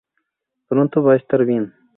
Pronto va a estar bien.